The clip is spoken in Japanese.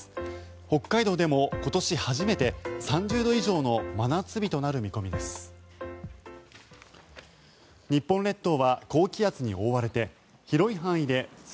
北海道でも今年初めて３０度以上の真夏日となる見込みです。